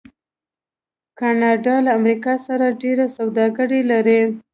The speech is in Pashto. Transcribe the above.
کاناډا له امریکا سره ډیره سوداګري لري.